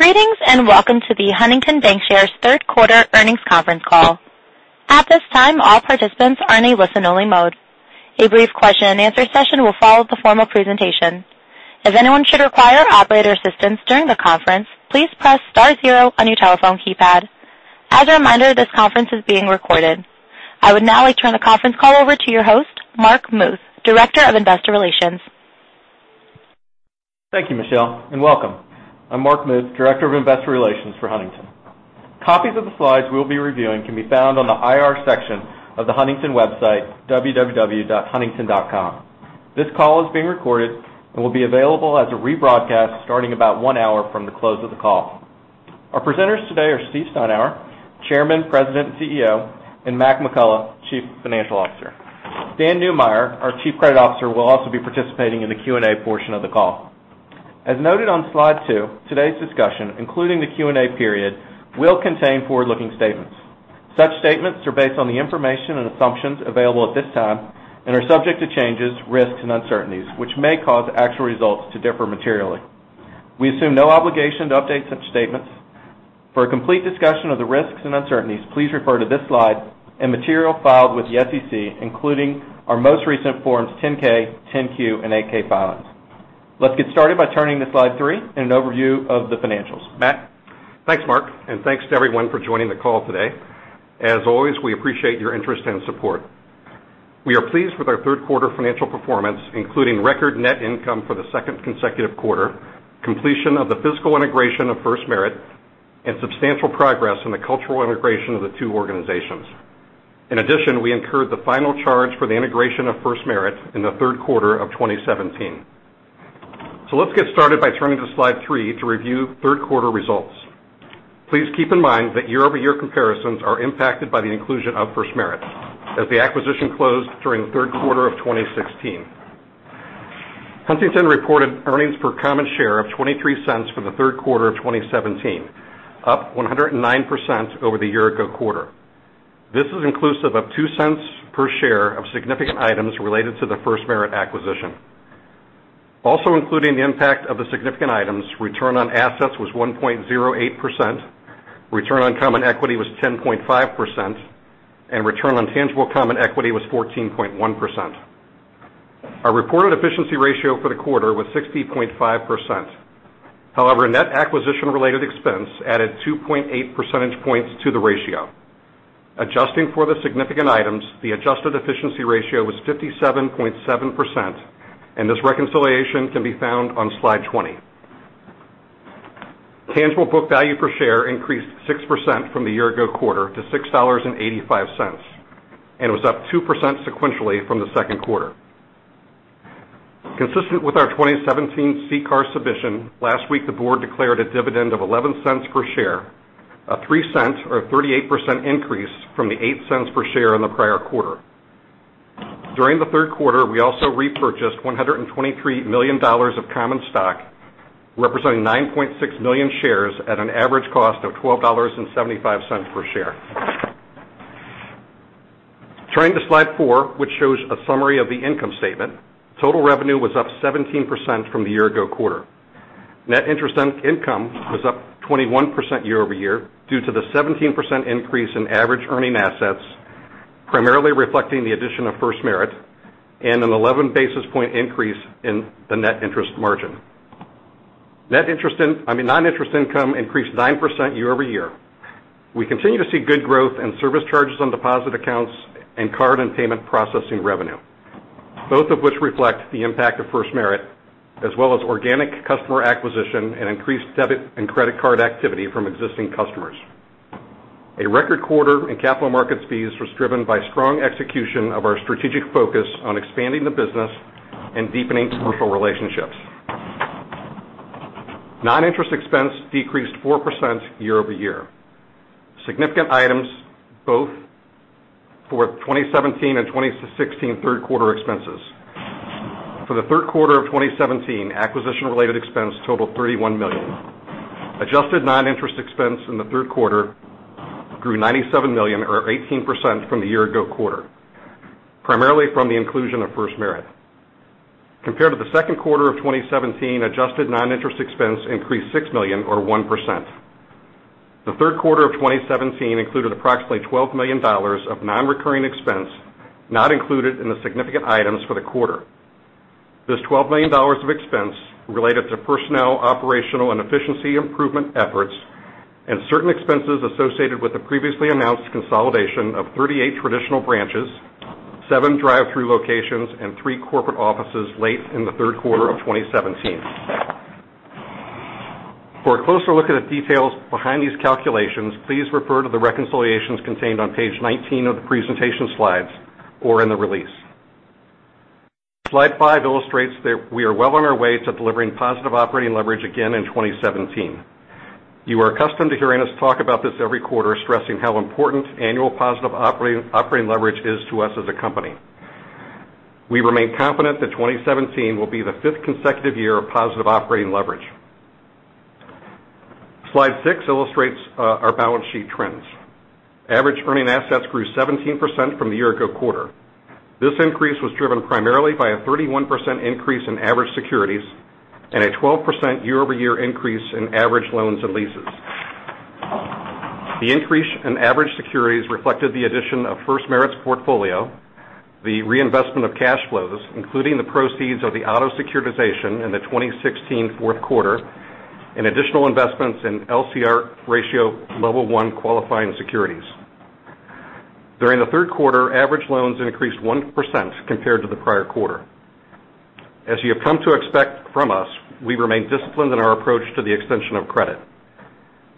Greetings, welcome to the Huntington Bancshares third quarter earnings conference call. At this time, all participants are in a listen only mode. A brief question and answer session will follow the formal presentation. If anyone should require operator assistance during the conference, please press star zero on your telephone keypad. As a reminder, this conference is being recorded. I would now like to turn the conference call over to your host, Mark Muth, Director of Investor Relations. Thank you, Michelle, welcome. I'm Mark Muth, Director of Investor Relations for Huntington. Copies of the slides we'll be reviewing can be found on the IR section of the Huntington website, www.huntington.com. This call is being recorded and will be available as a rebroadcast starting about one hour from the close of the call. Our presenters today are Steve Steinour, Chairman, President, CEO, Mac McCullough, Chief Financial Officer. Dan Neumeyer, our Chief Credit Officer, will also be participating in the Q&A portion of the call. As noted on slide two, today's discussion, including the Q&A period, will contain forward-looking statements. Such statements are based on the information and assumptions available at this time and are subject to changes, risks, and uncertainties, which may cause actual results to differ materially. We assume no obligation to update such statements. For a complete discussion of the risks and uncertainties, please refer to this slide and material filed with the SEC, including our most recent Forms 10-K, 10-Q, and 8-K filings. Let's get started by turning to slide three and an overview of the financials. Mac? Thanks, Mark, and thanks to everyone for joining the call today. As always, we appreciate your interest and support. We are pleased with our third quarter financial performance, including record net income for the second consecutive quarter, completion of the fiscal integration of FirstMerit, and substantial progress in the cultural integration of the two organizations. In addition, we incurred the final charge for the integration of FirstMerit in the third quarter of 2017. Let's get started by turning to slide three to review third quarter results. Please keep in mind that year-over-year comparisons are impacted by the inclusion of FirstMerit, as the acquisition closed during the third quarter of 2016. Huntington reported earnings per common share of $0.23 for the third quarter of 2017, up 109% over the year ago quarter. This is inclusive of $0.02 per share of significant items related to the FirstMerit acquisition. Including the impact of the significant items, return on assets was 1.08%, return on common equity was 10.5%, and return on tangible common equity was 14.1%. Our reported efficiency ratio for the quarter was 60.5%. Net acquisition-related expense added 2.8 percentage points to the ratio. Adjusting for the significant items, the adjusted efficiency ratio was 57.7%, and this reconciliation can be found on slide 20. Tangible book value per share increased 6% from the year ago quarter to $6.85, and was up 2% sequentially from the second quarter. Consistent with our 2017 CCAR submission, last week, the board declared a dividend of $0.11 per share, a $0.03 or 38% increase from the $0.08 per share in the prior quarter. During the third quarter, we also repurchased $123 million of common stock, representing 9.6 million shares at an average cost of $12.75 per share. Turning to slide four, which shows a summary of the income statement. Total revenue was up 17% from the year ago quarter. Net interest income was up 21% year-over-year due to the 17% increase in average earning assets, primarily reflecting the addition of FirstMerit and an 11 basis point increase in the net interest margin. Non-interest income increased 9% year-over-year. We continue to see good growth in service charges on deposit accounts and card and payment processing revenue, both of which reflect the impact of FirstMerit, as well as organic customer acquisition and increased debit and credit card activity from existing customers. A record quarter in capital markets fees was driven by strong execution of our strategic focus on expanding the business and deepening commercial relationships. Non-interest expense decreased 4% year-over-year. Significant items both for 2017 and 2016 third quarter expenses. For the third quarter of 2017, acquisition related expense totaled $31 million. Adjusted non-interest expense in the third quarter grew $97 million or 18% from the year ago quarter, primarily from the inclusion of FirstMerit. Compared to the second quarter of 2017, adjusted non-interest expense increased $6 million or 1%. The third quarter of 2017 included approximately $12 million of non-recurring expense, not included in the significant items for the quarter. This $12 million of expense related to personnel, operational, and efficiency improvement efforts and certain expenses associated with the previously announced consolidation of 38 traditional branches, seven drive-thru locations, and three corporate offices late in the third quarter of 2017. For a closer look at the details behind these calculations, please refer to the reconciliations contained on page 19 of the presentation slides or in the release. Slide five illustrates that we are well on our way to delivering positive operating leverage again in 2017. You are accustomed to hearing us talk about this every quarter, stressing how important annual positive operating leverage is to us as a company. We remain confident that 2017 will be the fifth consecutive year of positive operating leverage. Slide six illustrates our balance sheet trends. Average earning assets grew 17% from the year ago quarter. This increase was driven primarily by a 31% increase in average securities and a 12% year-over-year increase in average loans and leases. The increase in average securities reflected the addition of FirstMerit's portfolio, the reinvestment of cash flows, including the proceeds of the auto securitization in the 2016 fourth quarter, and additional investments in LCR ratio Level 1 qualifying securities. During the third quarter, average loans increased 1% compared to the prior quarter. As you have come to expect from us, we remain disciplined in our approach to the extension of credit.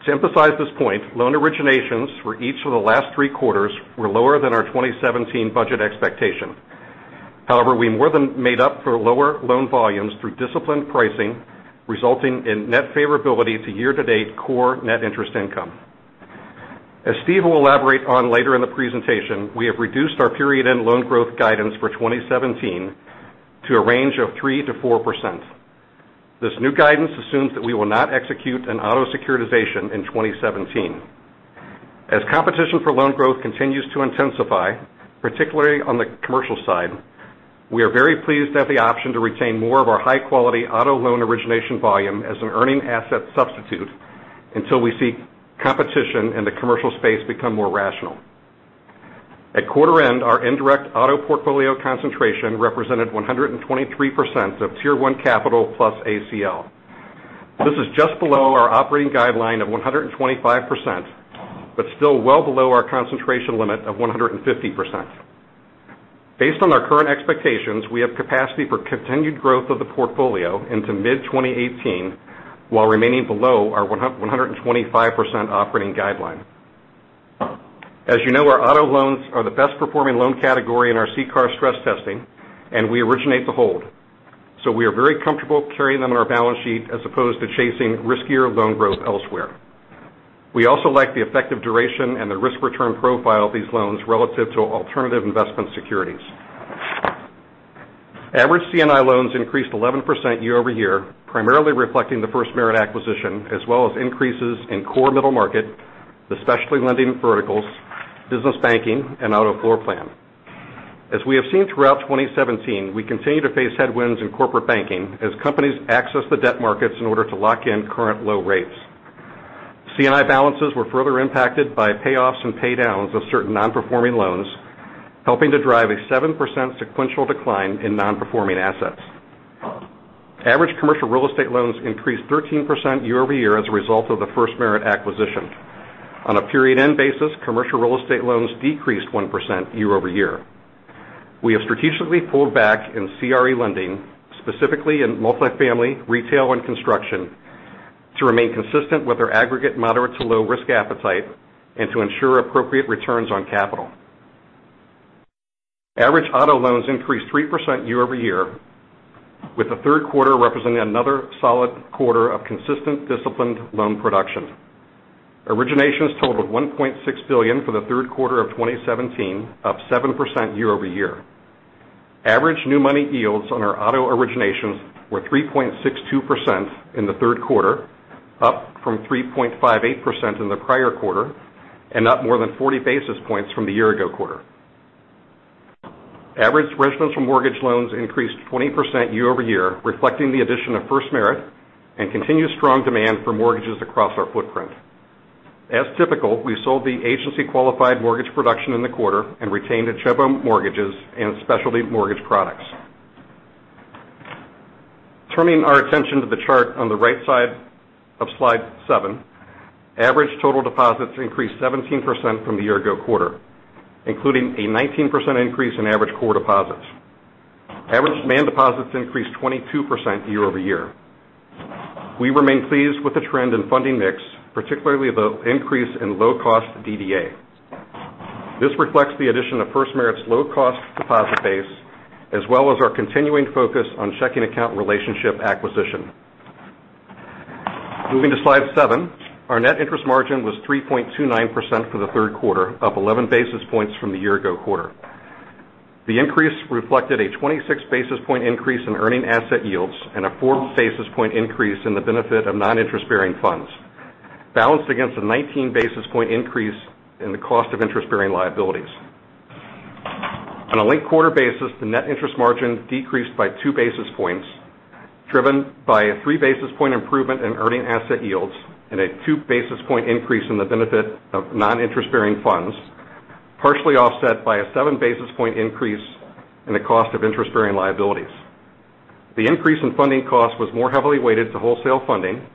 To emphasize this point, loan originations for each of the last three quarters were lower than our 2017 budget expectation. However, we more than made up for lower loan volumes through disciplined pricing, resulting in net favorability to year-to-date core net interest income. As Steve will elaborate on later in the presentation, we have reduced our period end loan growth guidance for 2017 to a range of 3%-4%. This new guidance assumes that we will not execute an auto securitization in 2017. As competition for loan growth continues to intensify, particularly on the commercial side, we are very pleased to have the option to retain more of our high-quality auto loan origination volume as an earning asset substitute until we see competition in the commercial space become more rational. At quarter end, our indirect auto portfolio concentration represented 123% of Tier 1 capital plus ACL. This is just below our operating guideline of 125%, but still well below our concentration limit of 150%. Based on our current expectations, we have capacity for continued growth of the portfolio into mid-2018 while remaining below our 125% operating guideline. As you know, our auto loans are the best performing loan category in our CCAR stress testing, and we originate to hold, so we are very comfortable carrying them on our balance sheet as opposed to chasing riskier loan growth elsewhere. We also like the effective duration and the risk-return profile of these loans relative to alternative investment securities. Average C&I loans increased 11% year-over-year, primarily reflecting the FirstMerit acquisition, as well as increases in core middle market, the specialty lending verticals, business banking and auto floor plan. As we have seen throughout 2017, we continue to face headwinds in corporate banking as companies access the debt markets in order to lock in current low rates. C&I balances were further impacted by payoffs and pay downs of certain non-performing loans, helping to drive a 7% sequential decline in non-performing assets. Average commercial real estate loans increased 13% year-over-year as a result of the FirstMerit acquisition. On a period end basis, commercial real estate loans decreased 1% year-over-year. We have strategically pulled back in CRE lending, specifically in multi-family, retail, and construction to remain consistent with our aggregate moderate to low risk appetite and to ensure appropriate returns on capital. Average auto loans increased 3% year-over-year, with the third quarter representing another solid quarter of consistent disciplined loan production. Originations totaled $1.6 billion for the third quarter of 2017, up 7% year-over-year. Average new money yields on our auto originations were 3.62% in the third quarter, up from 3.58% in the prior quarter, and up more than 40 basis points from the year ago quarter. Average residential mortgage loans increased 20% year-over-year, reflecting the addition of FirstMerit and continued strong demand for mortgages across our footprint. As typical, we sold the agency qualified mortgage production in the quarter and retained the mortgages and specialty mortgage products. Turning our attention to the chart on the right side of slide seven, average total deposits increased 17% from the year ago quarter, including a 19% increase in average core deposits. Average demand deposits increased 22% year-over-year. We remain pleased with the trend in funding mix, particularly the increase in low cost DDA. This reflects the addition of FirstMerit's low cost deposit base, as well as our continuing focus on checking account relationship acquisition. Moving to slide seven, our net interest margin was 3.29% for the third quarter, up 11 basis points from the year-ago quarter. The increase reflected a 26 basis point increase in earning asset yields and a four basis point increase in the benefit of non-interest bearing funds, balanced against a 19 basis point increase in the cost of interest bearing liabilities. On a linked quarter basis, the net interest margin decreased by two basis points, driven by a three basis point improvement in earning asset yields and a two basis point increase in the benefit of non-interest bearing funds, partially offset by a seven basis point increase in the cost of interest bearing liabilities. The increase in funding cost was more heavily weighted to wholesale funding,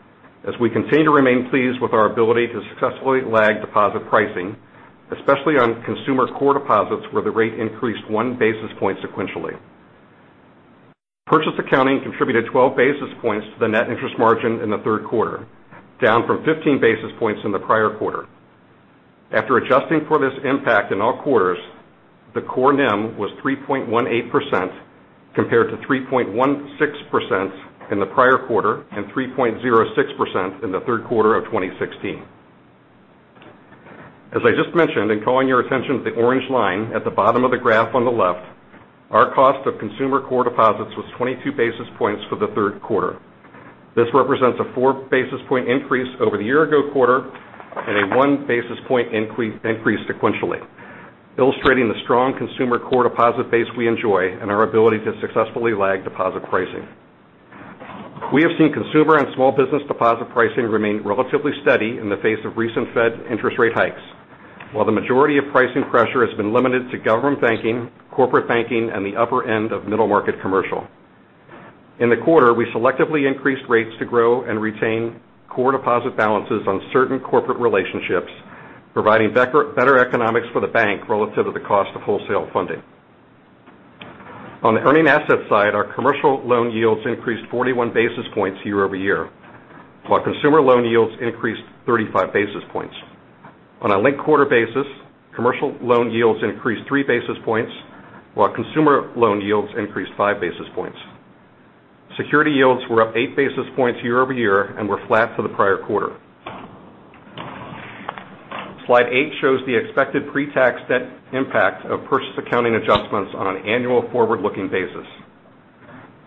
as we continue to remain pleased with our ability to successfully lag deposit pricing, especially on consumer core deposits where the rate increased one basis point sequentially. Purchase accounting contributed 12 basis points to the net interest margin in the third quarter, down from 15 basis points in the prior quarter. After adjusting for this impact in all quarters, the core NIM was 3.18%, compared to 3.16% in the prior quarter and 3.06% in the third quarter of 2016. As I just mentioned, in calling your attention to the orange line at the bottom of the graph on the left, our cost of consumer core deposits was 22 basis points for the third quarter. This represents a four basis point increase over the year-ago quarter and a one basis point increase sequentially, illustrating the strong consumer core deposit base we enjoy and our ability to successfully lag deposit pricing. While the majority of pricing pressure has been limited to government banking, corporate banking, and the upper end of middle market commercial. In the quarter, we selectively increased rates to grow and retain core deposit balances on certain corporate relationships, providing better economics for the bank relative to the cost of wholesale funding. On the earning asset side, our commercial loan yields increased 41 basis points year-over-year, while consumer loan yields increased 35 basis points. On a linked quarter basis, commercial loan yields increased three basis points, while consumer loan yields increased five basis points. Security yields were up eight basis points year-over-year and were flat for the prior quarter. Slide eight shows the expected pre-tax debt impact of purchase accounting adjustments on an annual forward-looking basis.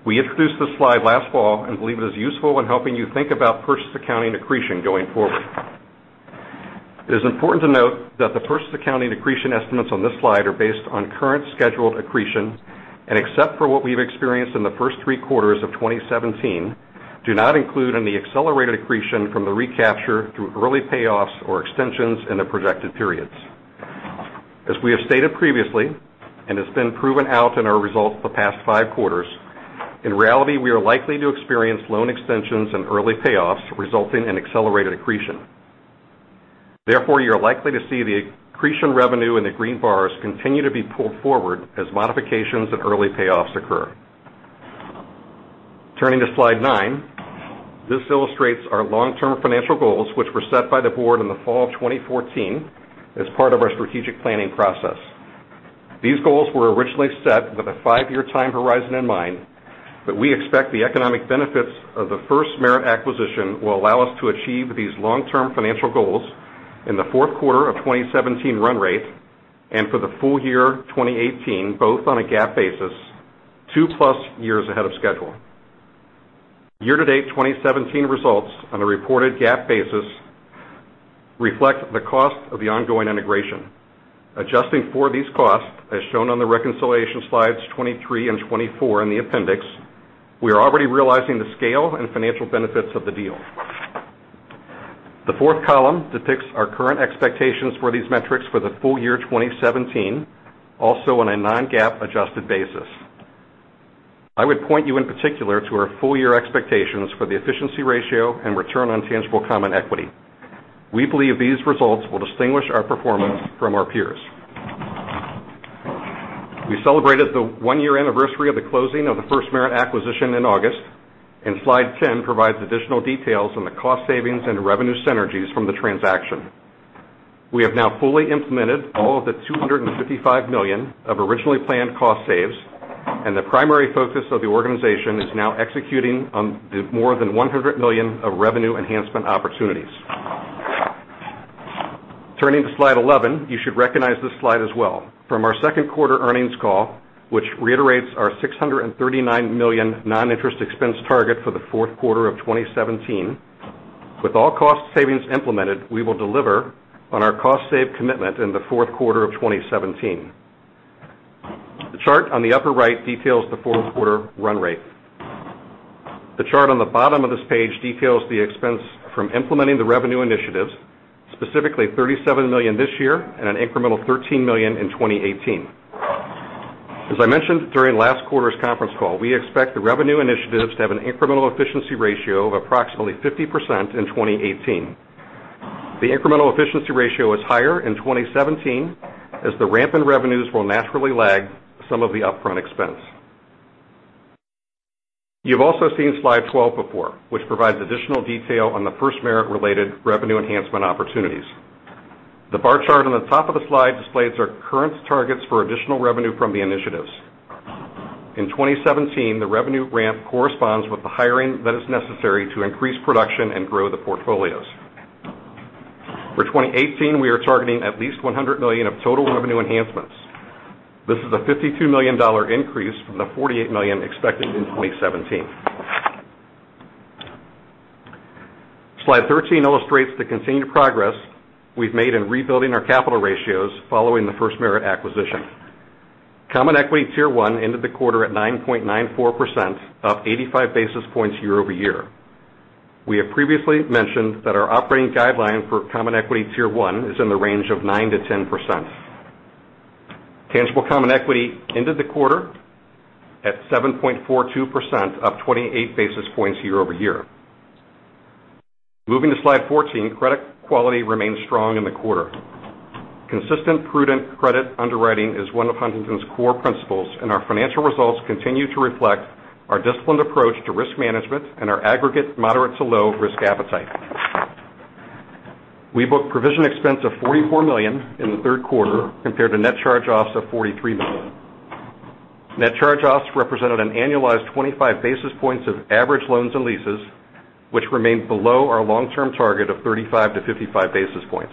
We introduced this slide last fall and believe it is useful when helping you think about purchase accounting accretion going forward. It is important to note that the purchase accounting accretion estimates on this slide are based on current scheduled accretion, and except for what we've experienced in the first three quarters of 2017, do not include any accelerated accretion from the recapture through early payoffs or extensions in the projected periods. As we have stated previously, has been proven out in our results the past five quarters, in reality, we are likely to experience loan extensions and early payoffs resulting in accelerated accretion. Therefore, you are likely to see the accretion revenue in the green bars continue to be pulled forward as modifications and early payoffs occur. Turning to slide nine, this illustrates our long-term financial goals, which were set by the board in the fall of 2014 as part of our strategic planning process. These goals were originally set with a five-year time horizon in mind, but we expect the economic benefits of the FirstMerit acquisition will allow us to achieve these long-term financial goals in the fourth quarter of 2017 run rate and for the full year 2018, both on a GAAP basis, two-plus years ahead of schedule. Year to date 2017 results on a reported GAAP basis reflect the cost of the ongoing integration. Adjusting for these costs, as shown on the reconciliation slides 23 and 24 in the appendix, we are already realizing the scale and financial benefits of the deal. The fourth column depicts our current expectations for these metrics for the full year 2017, also on a non-GAAP adjusted basis. I would point you in particular to our full year expectations for the efficiency ratio and return on tangible common equity. We believe these results will distinguish our performance from our peers. We celebrated the one-year anniversary of the closing of the FirstMerit acquisition in August, slide 10 provides additional details on the cost savings and revenue synergies from the transaction. We have now fully implemented all of the $255 million of originally planned cost saves, the primary focus of the organization is now executing on the more than $100 million of revenue enhancement opportunities. Turning to slide 11, you should recognize this slide as well from our second quarter earnings call, which reiterates our $639 million non-interest expense target for the fourth quarter of 2017. With all cost savings implemented, we will deliver on our cost save commitment in the fourth quarter of 2017. The chart on the upper right details the fourth quarter run rate. The chart on the bottom of this page details the expense from implementing the revenue initiatives, specifically $37 million this year and an incremental $13 million in 2018. As I mentioned during last quarter's conference call, I expect the revenue initiatives to have an incremental efficiency ratio of approximately 50% in 2018. The incremental efficiency ratio is higher in 2017, as the ramp in revenues will naturally lag some of the upfront expense. You've also seen slide 12 before, which provides additional detail on the FirstMerit-related revenue enhancement opportunities. The bar chart on the top of the slide displays our current targets for additional revenue from the initiatives. In 2017, the revenue ramp corresponds with the hiring that is necessary to increase production and grow the portfolios. For 2018, we are targeting at least $100 million of total revenue enhancements. This is a $52 million increase from the $48 million expected in 2017. Slide 13 illustrates the continued progress we've made in rebuilding our capital ratios following the FirstMerit acquisition. Common Equity Tier 1 ended the quarter at 9.94%, up 85 basis points year-over-year. We have previously mentioned that our operating guideline for Common Equity Tier 1 is in the range of 9%-10%. Tangible common equity ended the quarter at 7.42%, up 28 basis points year-over-year. Moving to slide 14, credit quality remains strong in the quarter. Consistent, prudent credit underwriting is one of Huntington's core principles, and our financial results continue to reflect our disciplined approach to risk management and our aggregate moderate to low risk appetite. We booked provision expense of $44 million in the third quarter compared to net charge-offs of $43 million. Net charge-offs represented an annualized 25 basis points of average loans and leases, which remained below our long-term target of 35-55 basis points.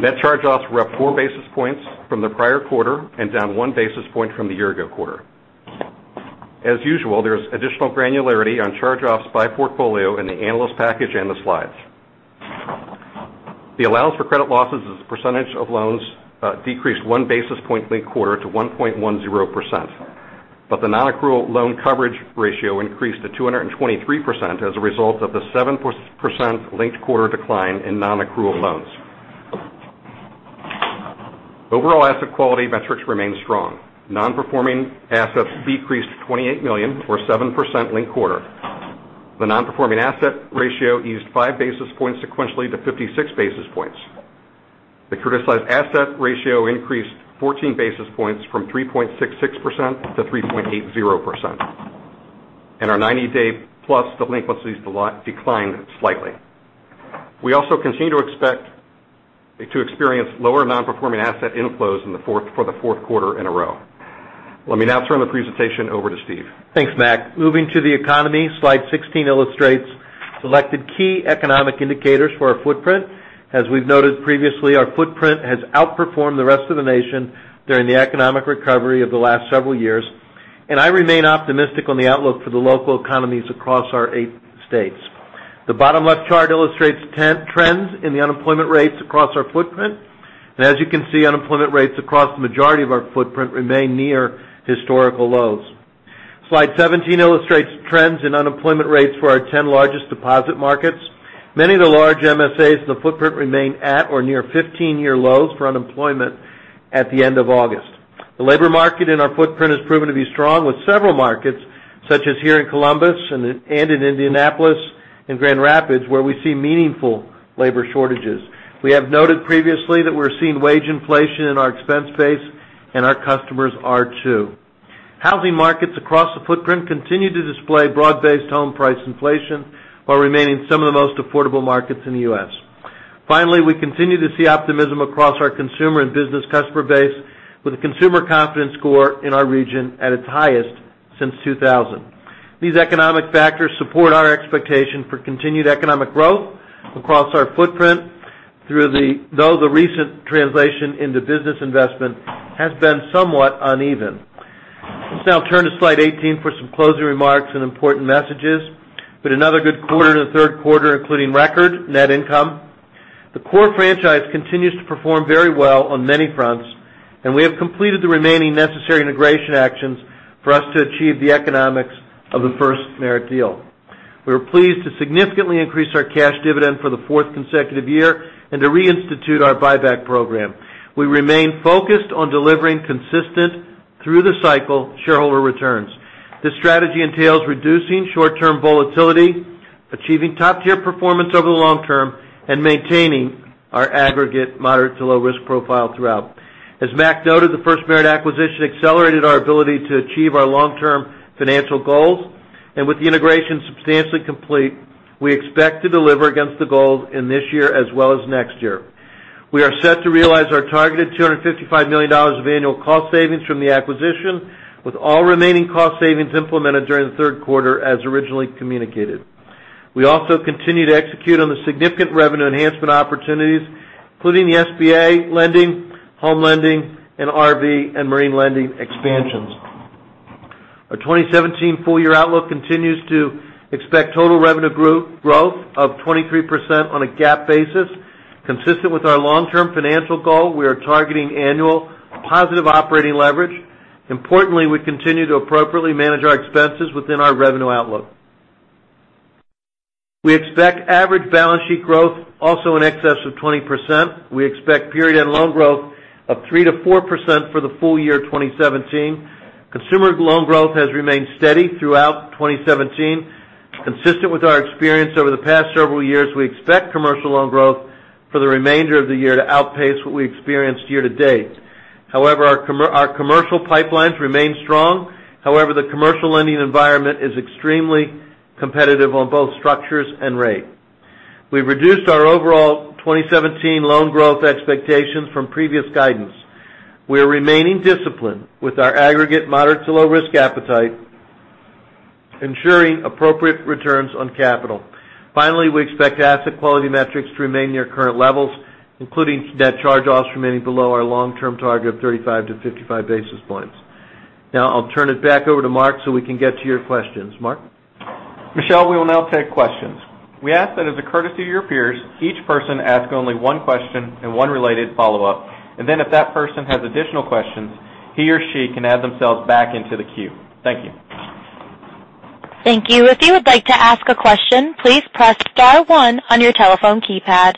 Net charge-offs were up four basis points from the prior quarter and down one basis point from the year ago quarter. As usual, there's additional granularity on charge-offs by portfolio in the analyst package and the slides. The allowance for credit losses as a percentage of loans decreased one basis point linked-quarter to 1.10%, but the non-accrual loan coverage ratio increased to 223% as a result of the 7% linked-quarter decline in non-accrual loans. Overall asset quality metrics remain strong. Non-Performing Assets decreased to $28 million, or 7% linked-quarter. The Non-Performing Asset ratio eased five basis points sequentially to 56 basis points. The criticized asset ratio increased 14 basis points from 3.66% to 3.80%. Our 90-day plus delinquencies declined slightly. We also continue to expect to experience lower Non-Performing Asset inflows for the fourth quarter in a row. Let me now turn the presentation over to Steve. Thanks, Mac. Moving to the economy, slide 16 illustrates selected key economic indicators for our footprint. As we've noted previously, our footprint has outperformed the rest of the nation during the economic recovery of the last several years, and I remain optimistic on the outlook for the local economies across our eight states. The bottom left chart illustrates trends in the unemployment rates across our footprint. As you can see, unemployment rates across the majority of our footprint remain near historical lows. Slide 17 illustrates trends in unemployment rates for our 10 largest deposit markets. Many of the large MSAs in the footprint remain at or near 15-year lows for unemployment at the end of August. The labor market in our footprint has proven to be strong with several markets, such as here in Columbus and in Indianapolis and Grand Rapids, where we see meaningful labor shortages. We have noted previously that we're seeing wage inflation in our expense base, and our customers are, too. Housing markets across the footprint continue to display broad-based home price inflation while remaining some of the most affordable markets in the U.S. Finally, we continue to see optimism across our consumer and business customer base, with a consumer confidence score in our region at its highest since 2000. These economic factors support our expectation for continued economic growth across our footprint, though the recent translation into business investment has been somewhat uneven. Let's now turn to slide 18 for some closing remarks and important messages. With another good quarter in the third quarter, including record net income. The core franchise continues to perform very well on many fronts, and we have completed the remaining necessary integration actions for us to achieve the economics of the FirstMerit deal. We were pleased to significantly increase our cash dividend for the fourth consecutive year and to reinstitute our buyback program. We remain focused on delivering consistent, through the cycle, shareholder returns. This strategy entails reducing short-term volatility, achieving top-tier performance over the long term, and maintaining our aggregate moderate to low risk profile throughout. As Mac noted, the FirstMerit acquisition accelerated our ability to achieve our long-term financial goals. With the integration substantially complete, we expect to deliver against the goals in this year as well as next year. We are set to realize our targeted $255 million of annual cost savings from the acquisition, with all remaining cost savings implemented during the third quarter as originally communicated. We also continue to execute on the significant revenue enhancement opportunities, including the SBA lending, home lending, and RV and marine lending expansions. Our 2017 full year outlook continues to expect total revenue growth of 23% on a GAAP basis. Consistent with our long-term financial goal, we are targeting annual positive operating leverage. Importantly, we continue to appropriately manage our expenses within our revenue outlook. We expect average balance sheet growth also in excess of 20%. We expect period-end loan growth of 3%-4% for the full year 2017. Consumer loan growth has remained steady throughout 2017. Consistent with our experience over the past several years, we expect commercial loan growth for the remainder of the year to outpace what we experienced year to date. Our commercial pipelines remain strong. The commercial lending environment is extremely competitive on both structures and rate. We've reduced our overall 2017 loan growth expectations from previous guidance. We are remaining disciplined with our aggregate moderate to low risk appetite, ensuring appropriate returns on capital. Finally, we expect asset quality metrics to remain near current levels, including net charge-offs remaining below our long-term target of 35-55 basis points. Now I'll turn it back over to Mark so we can get to your questions. Mark? Michelle, we will now take questions. We ask that as a courtesy to your peers, each person ask only one question and one related follow-up, and then if that person has additional questions, he or she can add themselves back into the queue. Thank you. Thank you. If you would like to ask a question, please press * one on your telephone keypad.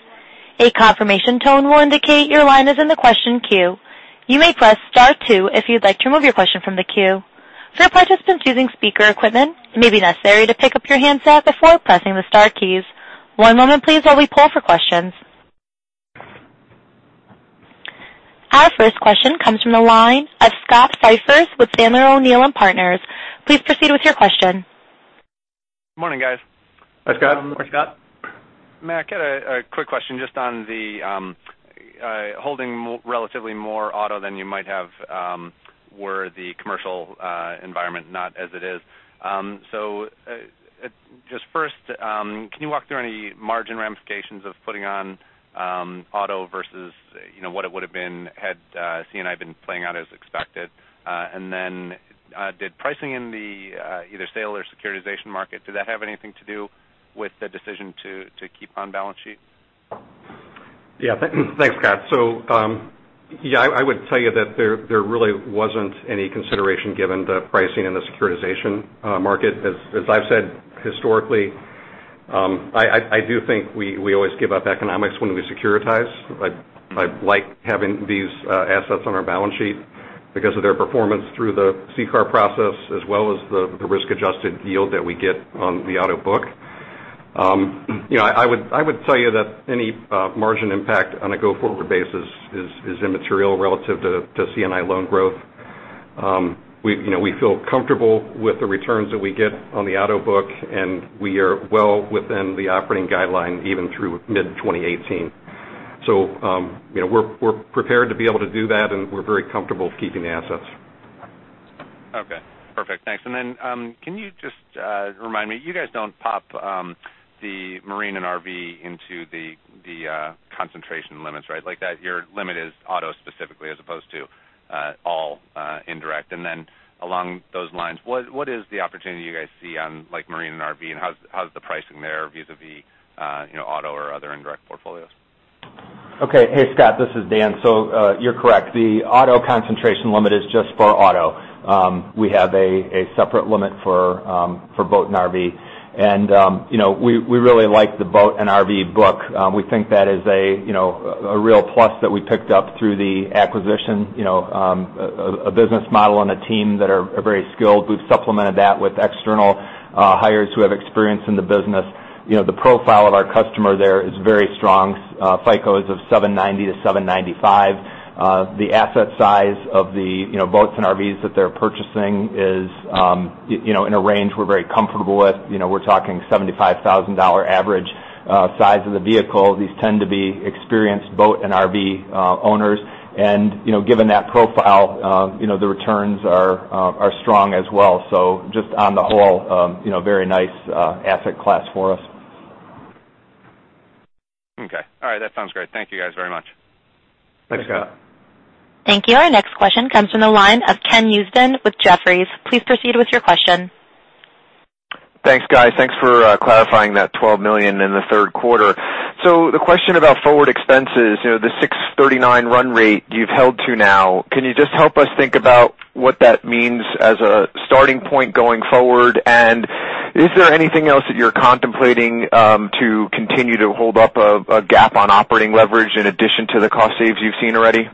A confirmation tone will indicate your line is in the question queue. You may press * two if you'd like to remove your question from the queue. For participants using speaker equipment, it may be necessary to pick up your handset before pressing the star keys. One moment please while we poll for questions. Our first question comes from the line of Scott Siefers with Sandler O'Neill & Partners. Please proceed with your question. Good morning, guys. Hi, Scott. Morning, Scott. Mac, I had a quick question just on the, holding relatively more auto than you might have were the commercial environment not as it is. Just first, can you walk through any margin ramifications of putting on auto versus what it would have been had C&I been playing out as expected? And then did pricing in the either sale or securitization market, did that have anything to do with the decision to keep on balance sheet? Yeah. Thanks, Scott. Yeah, I would tell you that there really wasn't any consideration given the pricing in the securitization market. As I've said historically, I do think we always give up economics when we securitize. I like having these assets on our balance sheet because of their performance through the CCAR process, as well as the risk-adjusted yield that we get on the auto book. I would tell you that any margin impact on a go-forward basis is immaterial relative to C&I loan growth. We feel comfortable with the returns that we get on the auto book, and we are well within the operating guideline even through mid-2018. We're prepared to be able to do that, and we're very comfortable keeping the assets. Okay, perfect. Thanks. Can you just remind me, you guys don't pop the marine and RV into the concentration limits, right? Your limit is auto specifically as opposed to all indirect. Along those lines, what is the opportunity you guys see on marine and RV, and how's the pricing there vis-a-vis auto or other indirect portfolios? Okay. Hey, Scott, this is Dan. You're correct. The auto concentration limit is just for auto. We have a separate limit for boat and RV. We really like the boat and RV book. We think that is a real plus that we picked up through the acquisition, a business model and a team that are very skilled. We've supplemented that with external hires who have experience in the business. The profile of our customer there is very strong. FICO is of 790-795. The asset size of the boats and RVs that they're purchasing is in a range we're very comfortable with. We're talking $75,000 average size of the vehicle. These tend to be experienced boat and RV owners. Given that profile, the returns are strong as well. Just on the whole, very nice asset class for us. Okay. All right. That sounds great. Thank you guys very much. Thanks, Scott. Thanks. Thank you. Our next question comes from the line of Ken Usdin with Jefferies. Please proceed with your question. Thanks, guys. Thanks for clarifying that $12 million in the third quarter. The question about forward expenses, the $639 run rate you've held to now, can you just help us think about what that means as a starting point going forward? Is there anything else that you're contemplating to continue to hold up a gap on operating leverage in addition to the cost saves you've seen already?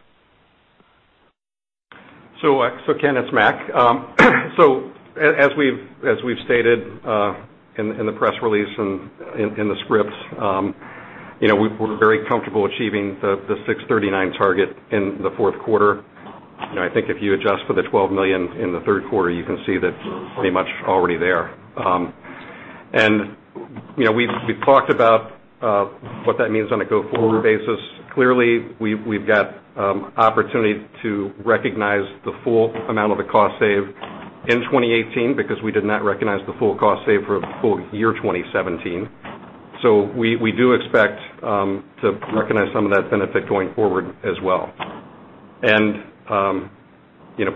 Ken, it's Mac. As we've stated in the press release and in the scripts, we're very comfortable achieving the 639 target in the fourth quarter. I think if you adjust for the $12 million in the third quarter, you can see that's pretty much already there. We've talked about what that means on a go-forward basis. Clearly, we've got opportunity to recognize the full amount of the cost save in 2018 because we did not recognize the full cost save for the full year 2017. We do expect to recognize some of that benefit going forward as well.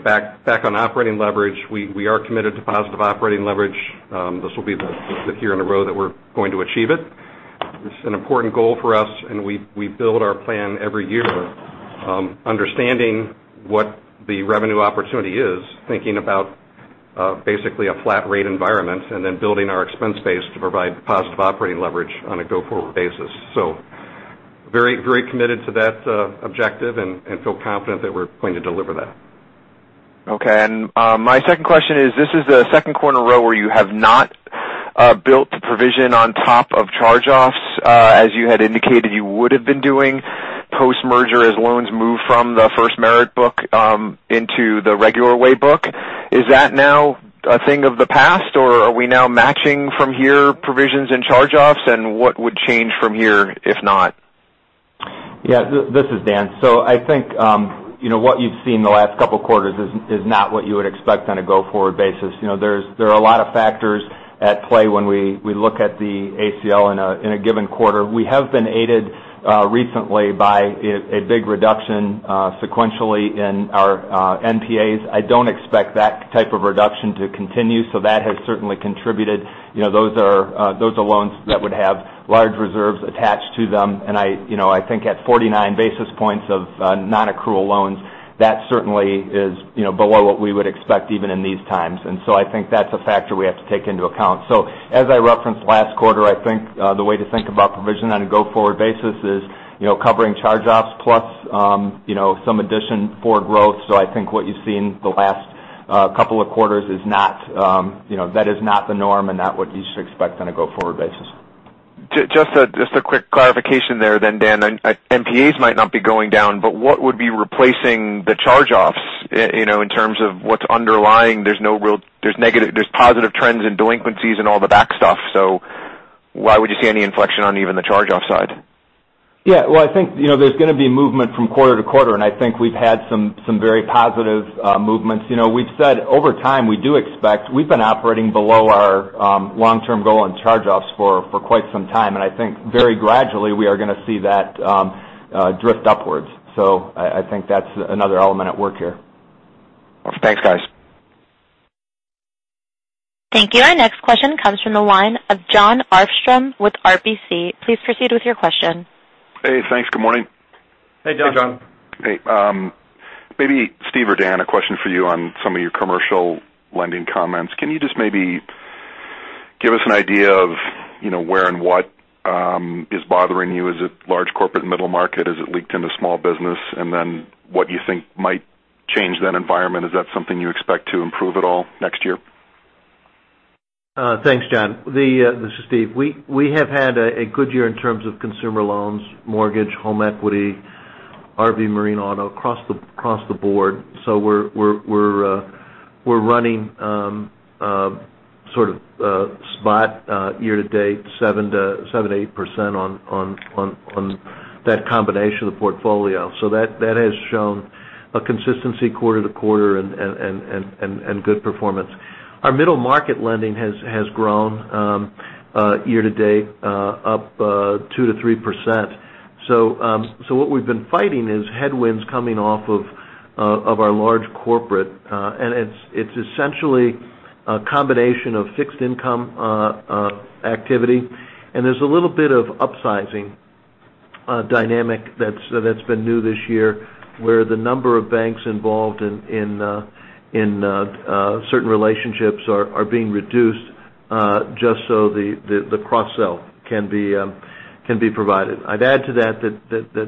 Back on operating leverage, we are committed to positive operating leverage. This will be the fifth year in a row that we're going to achieve it. It's an important goal for us. We build our plan every year understanding what the revenue opportunity is, thinking about basically a flat rate environment, building our expense base to provide positive operating leverage on a go-forward basis. Very committed to that objective and feel confident that we're going to deliver that. Okay. My second question is, this is the second quarter row where you have not built to provision on top of charge-offs as you had indicated you would have been doing post-merger as loans move from the FirstMerit book into the regular way book. Is that now a thing of the past, or are we now matching from here provisions and charge-offs, and what would change from here if not? Yeah, this is Dan. I think what you've seen the last couple of quarters is not what you would expect on a go-forward basis. There are a lot of factors at play when we look at the ACL in a given quarter. We have been aided recently by a big reduction sequentially in our NPAs. I don't expect that type of reduction to continue. That has certainly contributed. Those are loans that would have large reserves attached to them. I think at 49 basis points of non-accrual loans, that certainly is below what we would expect even in these times. I think that's a factor we have to take into account. As I referenced last quarter, I think the way to think about provision on a go-forward basis is covering charge-offs plus some addition for growth. I think what you've seen the last couple of quarters is not the norm and not what you should expect on a go-forward basis. Just a quick clarification there then, Dan. NPAs might not be going down, but what would be replacing the charge-offs in terms of what's underlying? There's positive trends in delinquencies and all the back stuff. Why would you see any inflection on even the charge-off side? Yeah. Well, I think there's going to be movement from quarter to quarter, and I think we've had some very positive movements. We've said over time, we've been operating below our long-term goal on charge-offs for quite some time, and I think very gradually we are going to see that drift upwards. I think that's another element at work here. Thanks, guys. Thank you. Our next question comes from the line of Jon Arfstrom with RBC. Please proceed with your question. Hey, thanks. Good morning. Hey, Jon. Hey. Maybe Steve or Dan, a question for you on some of your commercial lending comments. Can you just maybe give us an idea of where and what is bothering you? Is it large corporate middle market? Is it leaked into small business? What you think might change that environment. Is that something you expect to improve at all next year? Thanks, Jon. This is Steve. We have had a good year in terms of consumer loans, mortgage, home equity, RV, marine, auto, across the board. We're running sort of spot year-to-date 7%-8% on that combination of the portfolio. That has shown a consistency quarter-to-quarter and good performance. Our middle market lending has grown year-to-date up 2%-3%. What we've been fighting is headwinds coming off of our large corporate. It's essentially a combination of fixed income activity, and there's a little bit of upsizing dynamic that's been new this year, where the number of banks involved in certain relationships are being reduced just so the cross-sell can be provided. I'd add to that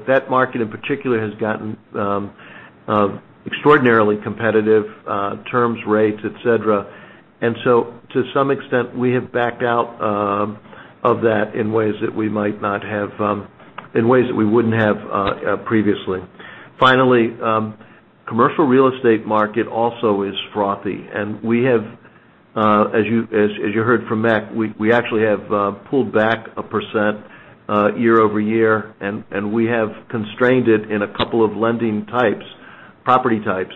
that market in particular has gotten extraordinarily competitive terms, rates, et cetera. To some extent, we have backed out of that in ways that we wouldn't have previously. Finally, commercial real estate market also is frothy, and as you heard from Mac, we actually have pulled back 1% year-over-year, and we have constrained it in a couple of lending types, property types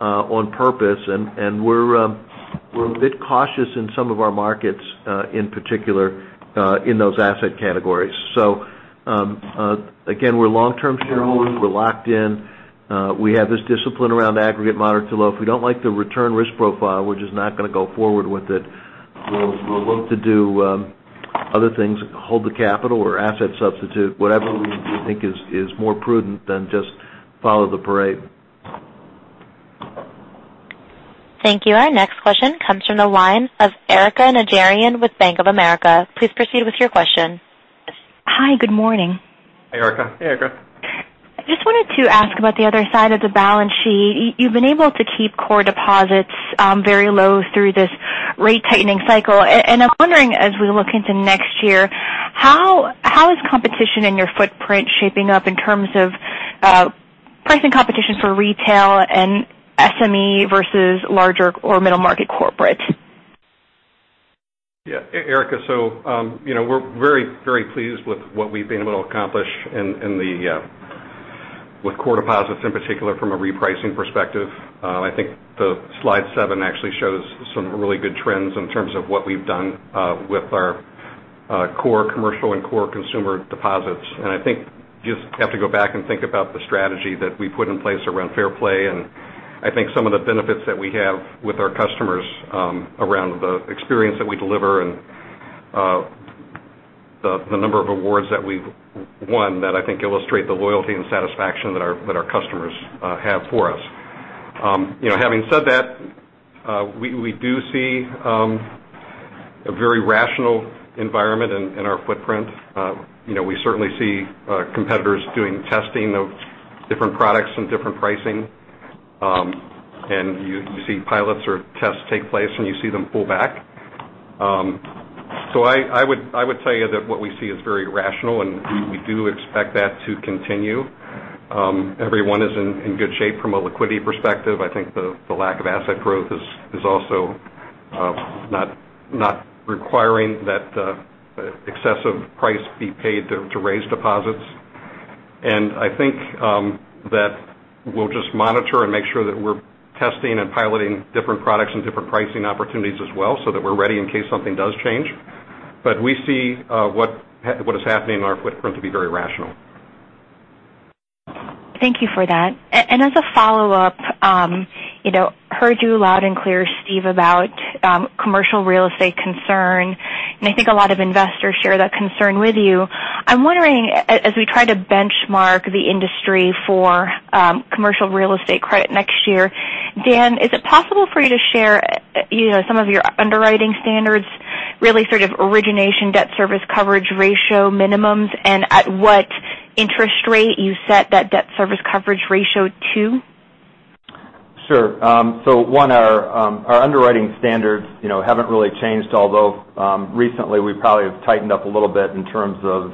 on purpose, and we're a bit cautious in some of our markets, in particular, in those asset categories. Again, we're long-term shareholders. We're locked in. We have this discipline around aggregate moderate to low. If we don't like the return risk profile, we're just not going to go forward with it. We'll look to do other things, hold the capital or asset substitute, whatever we think is more prudent than just follow the parade. Thank you. Our next question comes from the line of Erika Najarian with Bank of America. Please proceed with your question. Hi, good morning. Hi, Erika. Hey, Erika. I just wanted to ask about the other side of the balance sheet. You've been able to keep core deposits very low through this rate tightening cycle. I'm wondering, as we look into next year, how is competition in your footprint shaping up in terms of pricing competition for retail and SME versus larger or middle market corporate? Yeah. Erika, we're very pleased with what we've been able to accomplish with core deposits, in particular, from a repricing perspective. I think the slide seven actually shows some really good trends in terms of what we've done with our core commercial and core consumer deposits. I think you just have to go back and think about the strategy that we put in place around Fair Play, I think some of the benefits that we have with our customers around the experience that we deliver and the number of awards that we've won that I think illustrate the loyalty and satisfaction that our customers have for us. Having said that, we do see a very rational environment in our footprint. We certainly see competitors doing testing of different products and different pricing. You see pilots or tests take place, and you see them pull back. I would tell you that what we see is very rational. We do expect that to continue. Everyone is in good shape from a liquidity perspective. I think the lack of asset growth is also not requiring that excessive price be paid to raise deposits. I think that we'll just monitor and make sure that we're testing and piloting different products and different pricing opportunities as well, so that we're ready in case something does change. We see what is happening in our footprint to be very rational. Thank you for that. As a follow-up, heard you loud and clear, Steve, about commercial real estate concern. I think a lot of investors share that concern with you. I'm wondering, as we try to benchmark the industry for commercial real estate credit next year, Dan, is it possible for you to share some of your underwriting standards, really sort of origination debt service coverage ratio minimums, and at what interest rate you set that debt service coverage ratio to? Sure. One, our underwriting standards haven't really changed, although recently we probably have tightened up a little bit in terms of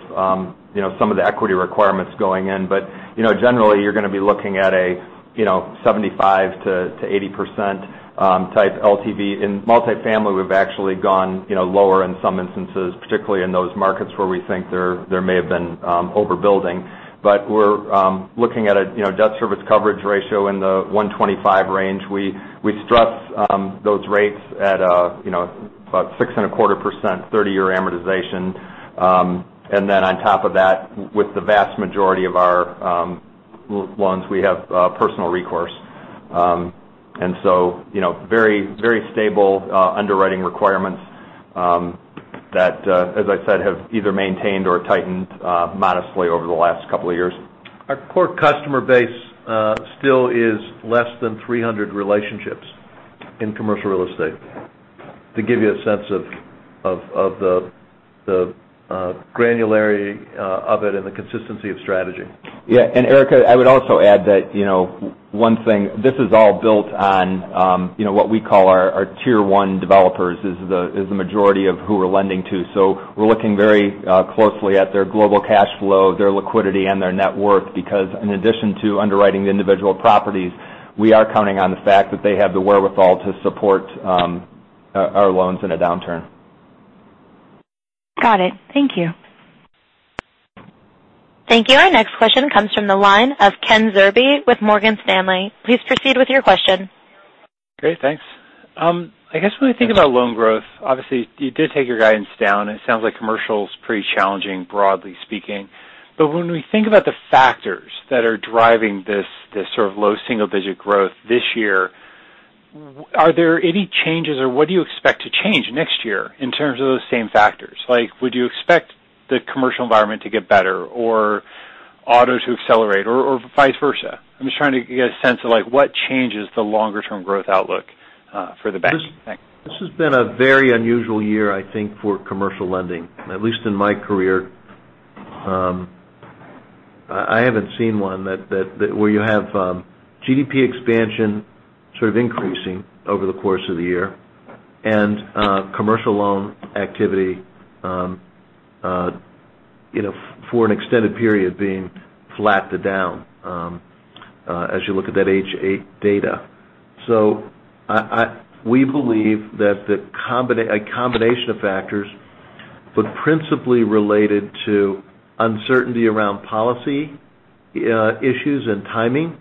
some of the equity requirements going in. Generally, you're going to be looking at a 75%-80% type LTV. In multifamily, we've actually gone lower in some instances, particularly in those markets where we think there may have been overbuilding. We're looking at a debt service coverage ratio in the 125 range. We stress those rates at about 6.25% 30-year amortization. On top of that, with the vast majority of our loans, we have personal recourse. Very stable underwriting requirements that, as I said, have either maintained or tightened modestly over the last couple of years. Our core customer base still is less than 300 relationships in commercial real estate. To give you a sense of the granularity of it and the consistency of strategy. Yeah. Erika, I would also add that one thing, this is all built on what we call our Tier 1 developers is the majority of who we're lending to. We're looking very closely at their global cash flow, their liquidity, and their net worth because in addition to underwriting the individual properties, we are counting on the fact that they have the wherewithal to support our loans in a downturn. Got it. Thank you. Thank you. Our next question comes from the line of Kenneth Zerbe with Morgan Stanley. Please proceed with your question. Great. Thanks. I guess when we think about loan growth, obviously you did take your guidance down and it sounds like commercial's pretty challenging, broadly speaking. When we think about the factors that are driving this sort of low single-digit growth this year, are there any changes or what do you expect to change next year in terms of those same factors? Would you expect the commercial environment to get better or auto to accelerate or vice versa? I'm just trying to get a sense of what changes the longer-term growth outlook for the bank. Thanks. This has been a very unusual year, I think, for commercial lending. At least in my career. I haven't seen one where you have GDP expansion sort of increasing over the course of the year and commercial loan activity for an extended period being flat to down as you look at that H8 data. We believe that a combination of factors, but principally related to uncertainty around policy issues and timing,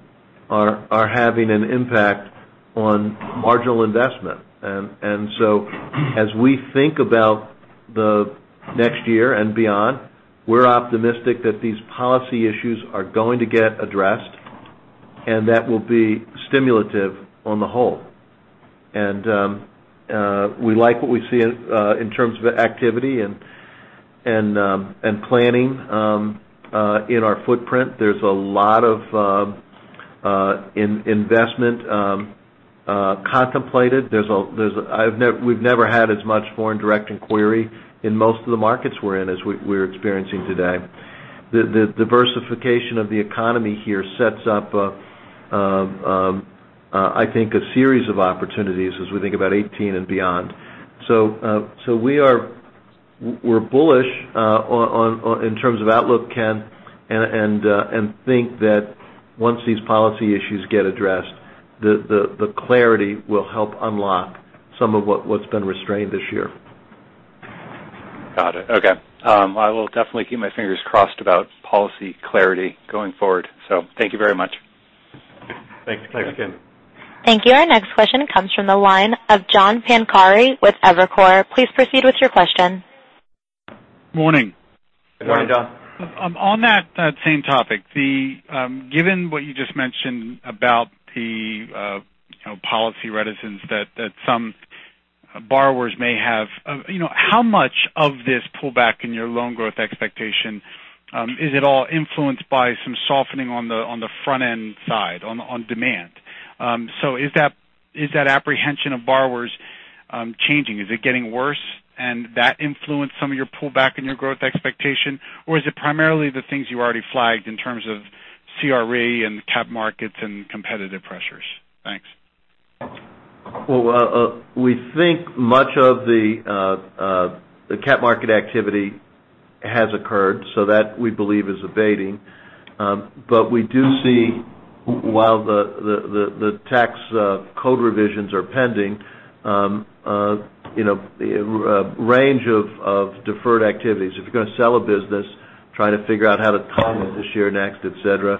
are having an impact on marginal investment. As we think about the next year and beyond, we're optimistic that these policy issues are going to get addressed and that will be stimulative on the whole. We like what we see in terms of activity and planning in our footprint. There's a lot of investment contemplated. We've never had as much foreign direct inquiry in most of the markets we're in as we're experiencing today. The diversification of the economy here sets up, I think, a series of opportunities as we think about 2018 and beyond. We're bullish in terms of outlook, Ken, and think that once these policy issues get addressed, the clarity will help unlock some of what's been restrained this year. Got it. Okay. I will definitely keep my fingers crossed about policy clarity going forward. Thank you very much. Thanks. Thanks, Ken. Thank you. Our next question comes from the line of John Pancari with Evercore. Please proceed with your question. Morning. Good morning, John. On that same topic, given what you just mentioned about the policy reticence that some borrowers may have, how much of this pullback in your loan growth expectation, is it all influenced by some softening on the front-end side on demand? Is that apprehension of borrowers changing? Is it getting worse and that influenced some of your pullback in your growth expectation? Or is it primarily the things you already flagged in terms of CRE and cap markets and competitive pressures? Thanks. Well, we think much of the cap market activity has occurred, that we believe is abating. We do see while the tax code revisions are pending, a range of deferred activities. If you're going to sell a business, try to figure out how to time it this year, next, et cetera,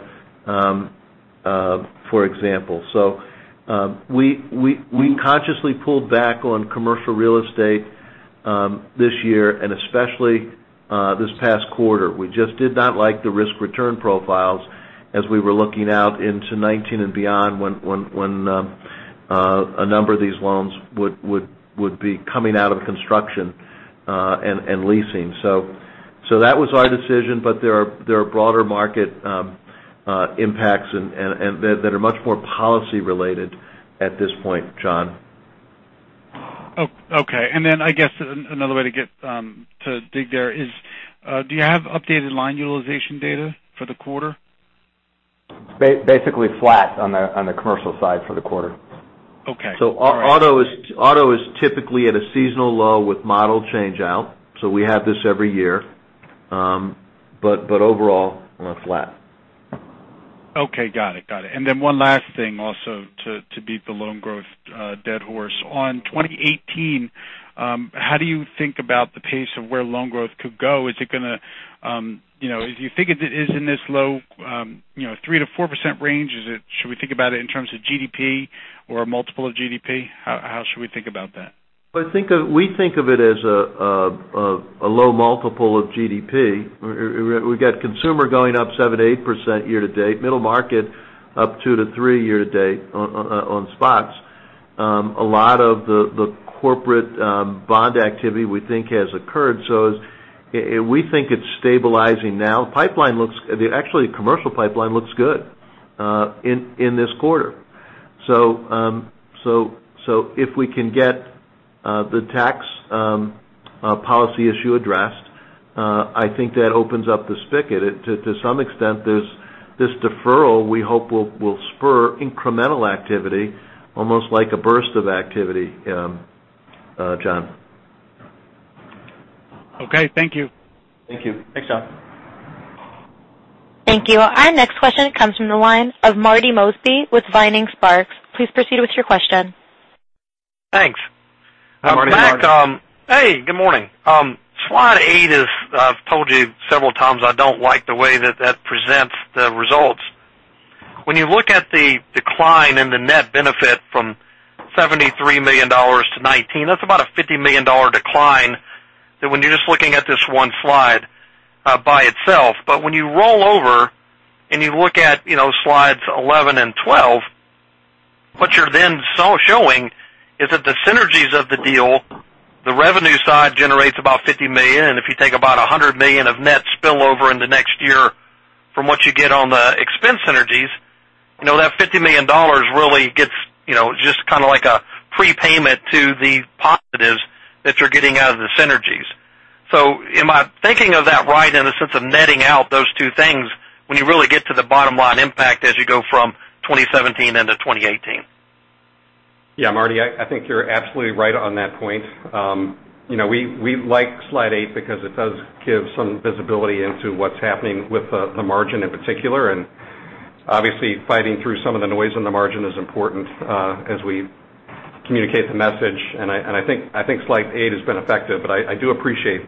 for example. We consciously pulled back on commercial real estate this year and especially this past quarter. We just did not like the risk-return profiles as we were looking out into 2019 and beyond when a number of these loans would be coming out of construction and leasing. That was our decision, but there are broader market impacts that are much more policy related at this point, John. Okay. I guess another way to dig there is, do you have updated line utilization data for the quarter? Basically flat on the commercial side for the quarter. Okay. All right. Auto is typically at a seasonal low with model change out. We have this every year. Overall, we're flat. Okay. Got it. One last thing also to beat the loan growth dead horse. On 2018, how do you think about the pace of where loan growth could go? If you think it is in this low 3%-4% range, should we think about it in terms of GDP or a multiple of GDP? How should we think about that? We think of it as a low multiple of GDP. We've got consumer going up 7% to 8% year to date, middle market up 2%-3% year to date on spots. A lot of the corporate bond activity we think has occurred. We think it's stabilizing now. Actually, the commercial pipeline looks good in this quarter. If we can get the tax policy issue addressed, I think that opens up the spigot. To some extent, this deferral, we hope, will spur incremental activity, almost like a burst of activity, John. Okay. Thank you. Thank you. Thanks, John. Thank you. Our next question comes from the line of Marty Mosby with Vining Sparks. Please proceed with your question. Thanks. Good morning, Marty. Mac. Hey, good morning. Slide eight is, I've told you several times, I don't like the way that that presents the results. When you look at the decline in the net benefit from $73 million to $19 million, that's about a $50 million decline when you're just looking at this one slide by itself. When you roll over and you look at slides 11 and 12, what you're then showing is that the synergies of the deal, the revenue side generates about $50 million. If you take about $100 million of net spillover into next year from what you get on the expense synergies, that $50 million really gets just kind of like a prepayment to the positives that you're getting out of the synergies. Am I thinking of that right in the sense of netting out those two things when you really get to the bottom line impact as you go from 2017 into 2018? Yeah, Marty, I think you're absolutely right on that point. We like slide eight because it does give some visibility into what's happening with the margin in particular. Obviously, fighting through some of the noise on the margin is important as we communicate the message, I think slide eight has been effective. I do appreciate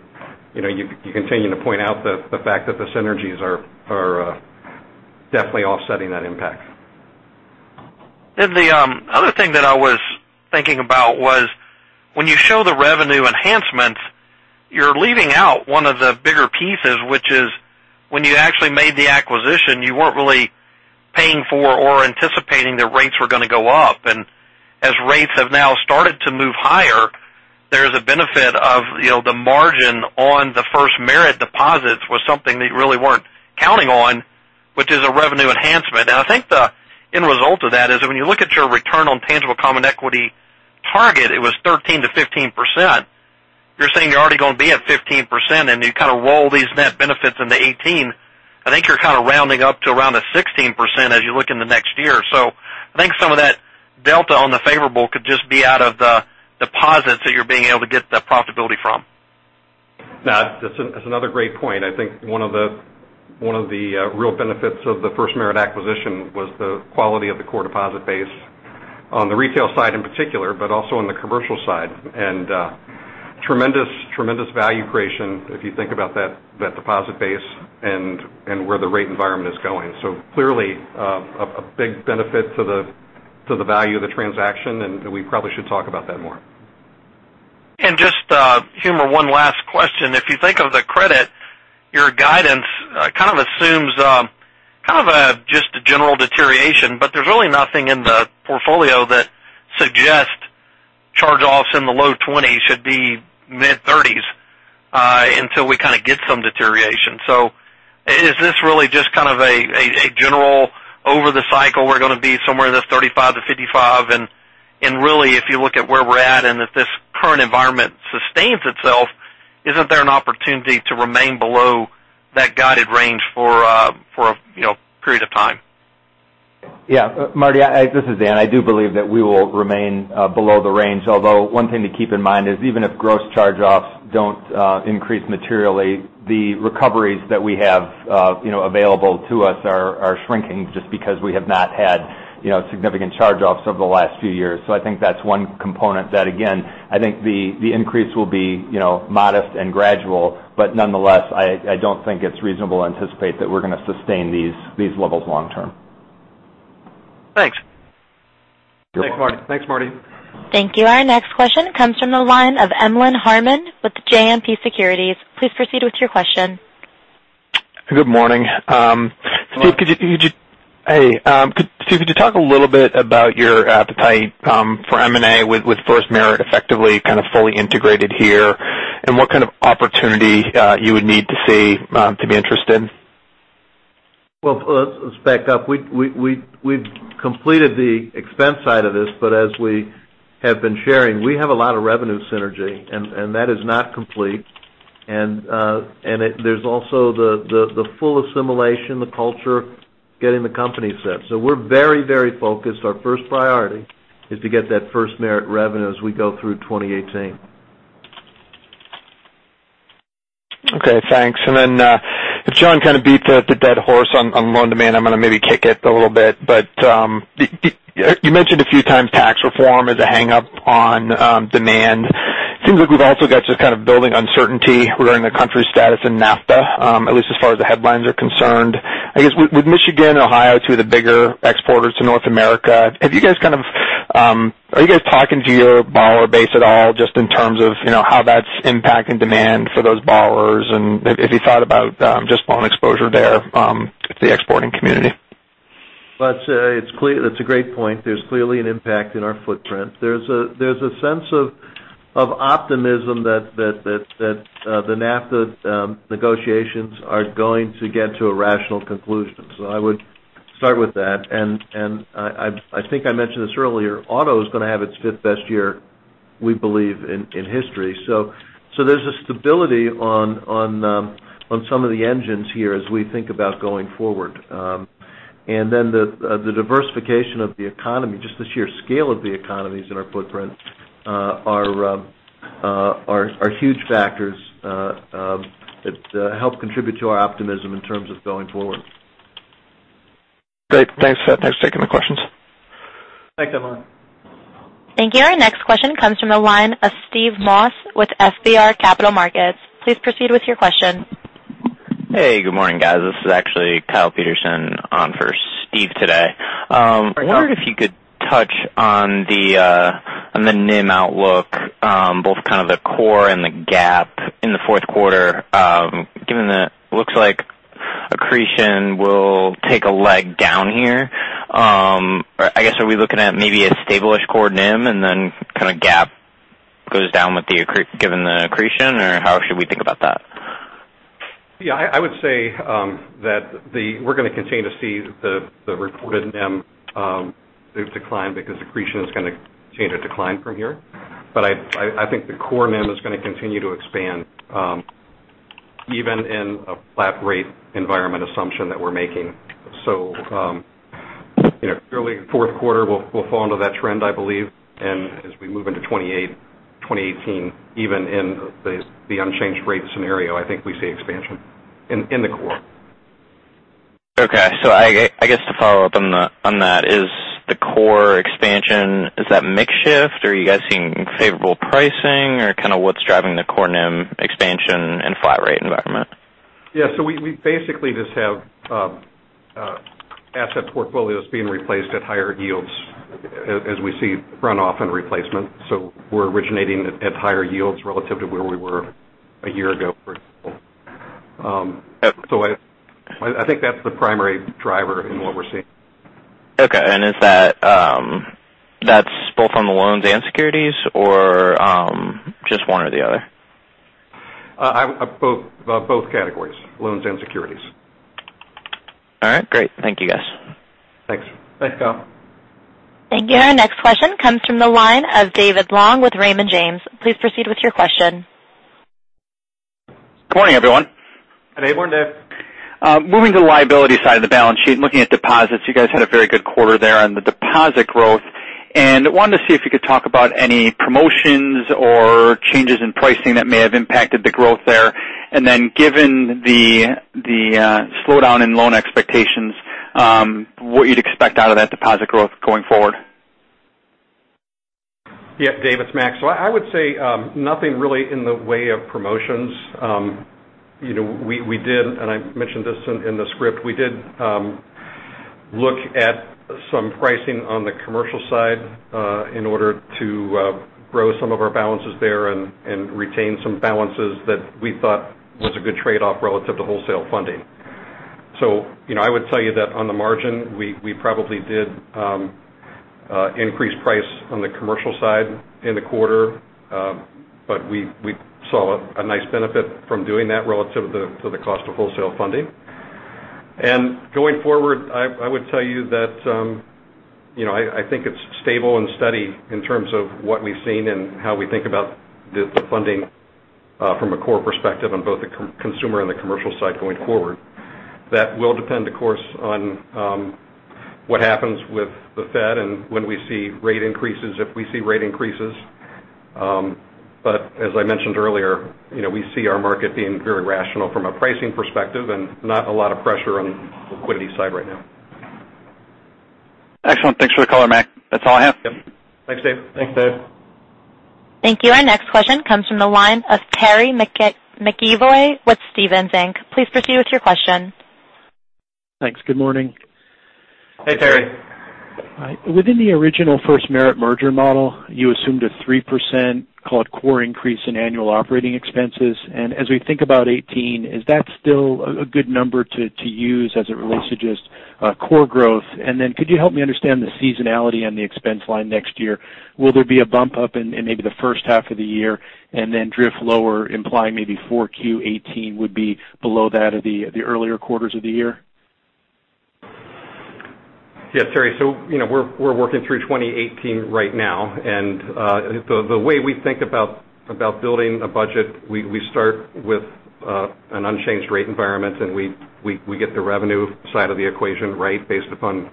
you continuing to point out the fact that the synergies are definitely offsetting that impact. The other thing that I was thinking about was when you show the revenue enhancements, you're leaving out one of the bigger pieces, which is when you actually made the acquisition, you weren't really paying for or anticipating that rates were going to go up. As rates have now started to move higher, there is a benefit of the margin on the FirstMerit deposits was something that you really weren't counting on, which is a revenue enhancement. I think the end result of that is that when you look at your return on tangible common equity target, it was 13%-15%. You're saying you're already going to be at 15%, and you kind of roll these net benefits into 2018. I think you're kind of rounding up to around the 16% as you look in the next year. I think some of that delta on the favorable could just be out of the deposits that you're being able to get the profitability from. That's another great point. I think one of the real benefits of the FirstMerit acquisition was the quality of the core deposit base on the retail side in particular, but also on the commercial side. Tremendous value creation if you think about that deposit base and where the rate environment is going. Clearly, a big benefit to the value of the transaction, we probably should talk about that more. Just humor one last question. If you think of the credit, your guidance kind of assumes just a general deterioration, but there's really nothing in the portfolio that suggests charge-offs in the low 20s should be mid-30s until we kind of get some deterioration. Is this really just kind of a general over the cycle, we're going to be somewhere in this 35-55? Really, if you look at where we're at and if this current environment sustains itself, isn't there an opportunity to remain below that guided range for a period of time? Yeah. Marty, this is Dan. I do believe that we will remain below the range. One thing to keep in mind is even if gross charge-offs don't increase materially, the recoveries that we have available to us are shrinking just because we have not had significant charge-offs over the last few years. I think that's one component that, again, I think the increase will be modest and gradual. Nonetheless, I don't think it's reasonable to anticipate that we're going to sustain these levels long term. Thanks. You're welcome. Thanks, Marty. Thank you. Our next question comes from the line of Emlen Harmon with JMP Securities. Please proceed with your question. Good morning. Good morning. Hey. Steve, could you talk a little bit about your appetite for M&A with FirstMerit effectively kind of fully integrated here, and what kind of opportunity you would need to see to be interested? Let's back up. We've completed the expense side of this, but as we have been sharing, we have a lot of revenue synergy, and that is not complete. There's also the full assimilation, the culture, getting the company set. We're very focused. Our first priority is to get that FirstMerit revenue as we go through 2018. Okay, thanks. As John kind of beat the dead horse on loan demand, I'm going to maybe kick it a little bit. You mentioned a few times tax reform is a hang-up on demand. It seems like we've also got just kind of building uncertainty regarding the country's status in NAFTA, at least as far as the headlines are concerned. I guess with Michigan and Ohio, two of the bigger exporters to North America, are you guys talking to your borrower base at all just in terms of how that's impacting demand for those borrowers and if you thought about just loan exposure there to the exporting community? It's a great point. There's clearly an impact in our footprint. There's a sense of optimism that the NAFTA negotiations are going to get to a rational conclusion. I would start with that. I think I mentioned this earlier, auto is going to have its fifth-best year, we believe, in history. There's a stability on some of the engines here as we think about going forward. The diversification of the economy, just the sheer scale of the economies in our footprint are huge factors that help contribute to our optimism in terms of going forward. Great. Thanks for that. Thanks for taking the questions. Thanks, Emlen. Thank you. Our next question comes from the line of Steve Moss with FBR Capital Markets. Please proceed with your question. Hey, good morning, guys. This is actually Kyle Peterson on for Steve today. Right on. I wonder if you could touch on the NIM outlook, both kind of the core and the GAAP in the fourth quarter, given that it looks like accretion will take a leg down here. I guess, are we looking at maybe a stable-ish core NIM, and then kind of GAAP goes down given the accretion, or how should we think about that? Yeah, I would say that we're going to continue to see the reported NIM decline because accretion is going to change a decline from here. I think the core NIM is going to continue to expand even in a flat rate environment assumption that we're making. Clearly fourth quarter will fall into that trend, I believe. As we move into 2018, even in the unchanged rate scenario, I think we see expansion in the core. Okay. I guess to follow up on that, is the core expansion, is that mix shift or are you guys seeing favorable pricing or kind of what's driving the core NIM expansion in a flat rate environment? Yeah. We basically just have asset portfolios being replaced at higher yields as we see runoff and replacement. We're originating at higher yields relative to where we were a year ago, for example. I think that's the primary driver in what we're seeing. Okay. That's both on the loans and securities or just one or the other? Both categories, loans and securities. All right, great. Thank you, guys. Thanks. Thanks, Kyle. Thank you. Our next question comes from the line of David Long with Raymond James. Please proceed with your question. Good morning, everyone. Good morning, Dave. Moving to the liability side of the balance sheet and looking at deposits, you guys had a very good quarter there on the deposit growth. Wanted to see if you could talk about any promotions or changes in pricing that may have impacted the growth there. Given the slowdown in loan expectations, what you'd expect out of that deposit growth going forward. Yeah. Dave, it's Mac. I would say nothing really in the way of promotions. We did, and I mentioned this in the script, we did look at some pricing on the commercial side in order to grow some of our balances there and retain some balances that we thought was a good trade-off relative to wholesale funding. Going forward, I would tell you that I think it's stable and steady in terms of what we've seen and how we think about the funding from a core perspective on both the consumer and the commercial side going forward. That will depend, of course, on what happens with the Fed and when we see rate increases, if we see rate increases. As I mentioned earlier, we see our market being very rational from a pricing perspective and not a lot of pressure on the liquidity side right now. Excellent. Thanks for the call, Mac. That's all I have. Yep. Thanks, Dave. Thanks, Dave. Thank you. Our next question comes from the line of Terry McEvoy with Stephens Inc. Please proceed with your question. Thanks. Good morning. Hey, Terry. Within the original FirstMerit merger model, you assumed a 3% called core increase in annual operating expenses. As we think about 2018, is that still a good number to use as it relates to just core growth? Could you help me understand the seasonality on the expense line next year? Will there be a bump up in maybe the first half of the year and then drift lower, implying maybe 4Q 2018 would be below that of the earlier quarters of the year? Yeah, Terry. We're working through 2018 right now. The way we think about building a budget, we start with an unchanged rate environment, and we get the revenue side of the equation right based upon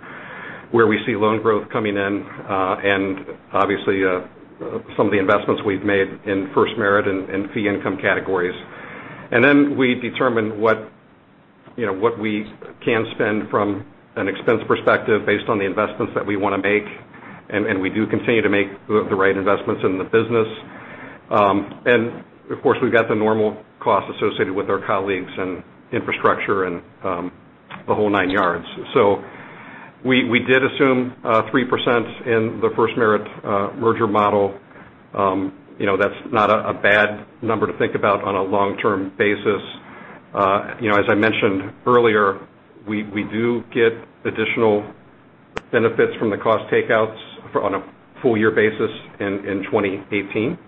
where we see loan growth coming in and obviously some of the investments we've made in FirstMerit and fee income categories. We determine what we can spend from an expense perspective based on the investments that we want to make. We do continue to make the right investments in the business. We've got the normal costs associated with our colleagues and infrastructure and the whole nine yards. We did assume 3% in the FirstMerit merger model. That's not a bad number to think about on a long-term basis. As I mentioned earlier, we do get additional benefits from the cost takeouts on a full year basis in 2018.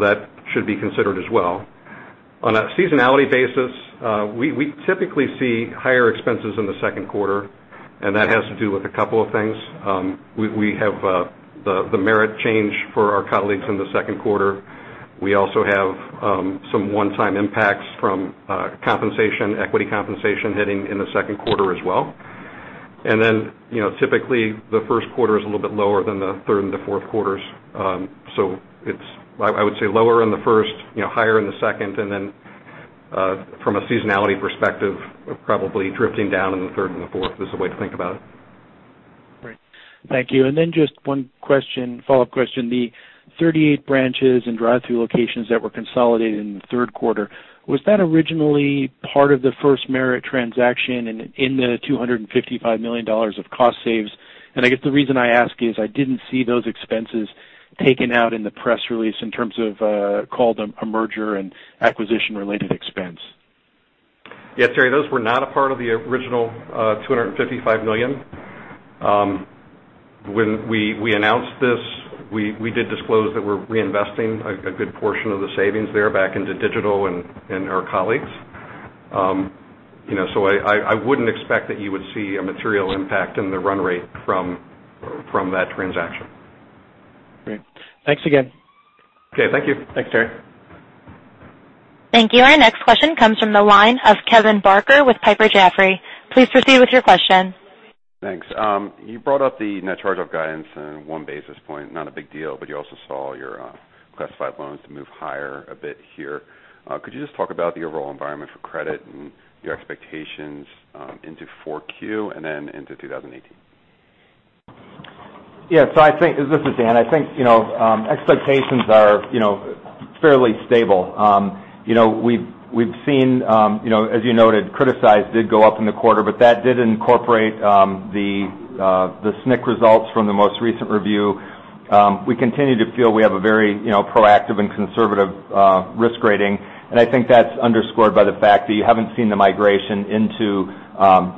That should be considered as well. On a seasonality basis, we typically see higher expenses in the second quarter. That has to do with a couple of things. We have the merit change for our colleagues in the second quarter. We also have some one-time impacts from equity compensation hitting in the second quarter as well. Typically, the first quarter is a little bit lower than the third and the fourth quarters. I would say lower in the first, higher in the second, and then from a seasonality perspective, probably drifting down in the third and the fourth is the way to think about it. Great. Thank you. Just one follow-up question. The 38 branches and drive-thru locations that were consolidated in the third quarter, was that originally part of the FirstMerit transaction and in the $255 million of cost saves? I guess the reason I ask is I didn't see those expenses taken out in the press release in terms of called a merger and acquisition related expense. Yeah, Terry, those were not a part of the original $255 million. When we announced this, we did disclose that we're reinvesting a good portion of the savings there back into digital and our colleagues. I wouldn't expect that you would see a material impact in the run rate from that transaction. Great. Thanks again. Okay, thank you. Thanks, Terry. Thank you. Our next question comes from the line of Kevin Barker with Piper Jaffray. Please proceed with your question. Thanks. You brought up the net charge-off guidance and one basis point, not a big deal, you also saw your classified loans move higher a bit here. Could you just talk about the overall environment for credit and your expectations into 4Q and then into 2018? Yeah. This is Dan. I think expectations are fairly stable. We've seen, as you noted, criticized did go up in the quarter, that did incorporate the SNC results from the most recent review. We continue to feel we have a very proactive and conservative risk rating, I think that's underscored by the fact that you haven't seen the migration into